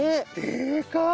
でかい！